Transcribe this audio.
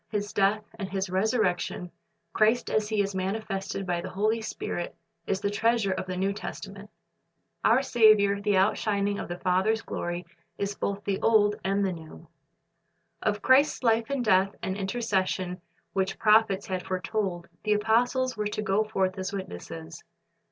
His death, and His resurrection, Christ as He is manifested by the Holy Spirit, is the treasure of the New Testament. Our Saviour, the outshining of the Father's glory, is both the Old and the New. ''Things Neiv and Old'' l±^ Of Christ's life and death and intercession, which prophets had foretold, the apostles were to go forth as witnesses.